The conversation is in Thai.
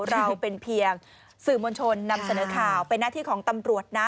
เราเป็นเพียงสื่อมวลชนนำเสนอข่าวเป็นหน้าที่ของตำรวจนะ